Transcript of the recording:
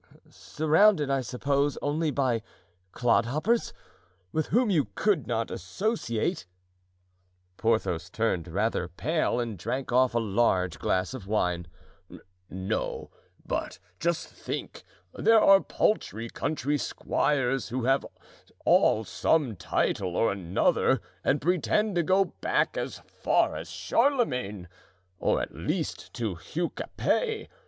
"Surrounded, I suppose, only by clodhoppers, with whom you could not associate." Porthos turned rather pale and drank off a large glass of wine. "No; but just think, there are paltry country squires who have all some title or another and pretend to go back as far as Charlemagne, or at least to Hugh Capet.